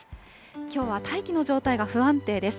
きょうは大気の状態が不安定です。